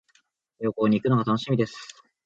旅行に行くのが楽しみです。